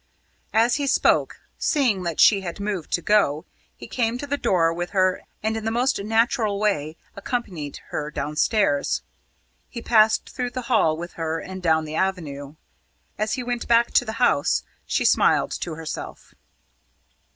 As he spoke, seeing that she had moved to go, he came to the door with her, and in the most natural way accompanied her downstairs. He passed through the hall with her and down the avenue. As he went back to the house, she smiled to herself.